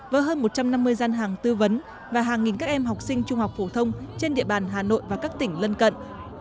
với hơn một trăm năm mươi gian hàng tư vấn và hàng nghìn các em học sinh trung học phổ thông trên địa bàn hà nội và các tỉnh lân cận